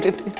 itu itu itu